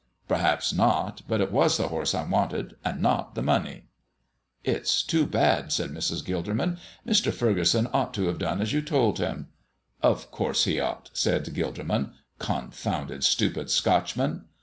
"Perhaps not; but it was the horse I wanted, and not the money." "It's too bad," said Mrs. Gilderman. "Mr. Furgeson ought to have done as you told him." "Of course he ought," said Gilderman. "Confounded, stupid Scotchman!"